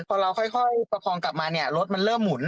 พอเราค่อยประคองกลับมาเนี่ยรถมันเริ่มหมุน